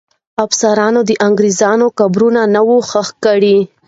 افسرانو د انګریزانو قبرونه نه وو ښخ کړي.